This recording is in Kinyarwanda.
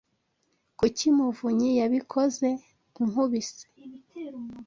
"Kuki muvunyi yabikoze?" "Unkubise."